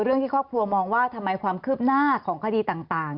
ที่ครอบครัวมองว่าทำไมความคืบหน้าของคดีต่าง